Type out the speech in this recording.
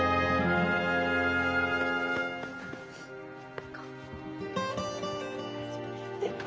行こう。